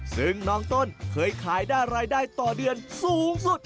ซึ่งน้องต้นเคยขายได้รายได้ต่อเดือนสูงสุด